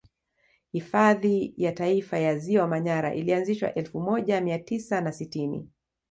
Hifadhi ya Taifa ya ziwa Manyara ilianzishwa elfu moja mia tisa na sitini